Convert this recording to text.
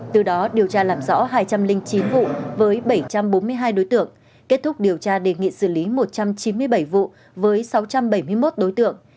từ đó điều tra làm rõ hai trăm linh chín vụ với bảy trăm bốn mươi hai đối tượng kết thúc điều tra đề nghị xử lý một trăm chín mươi bảy vụ với sáu trăm bảy mươi một đối tượng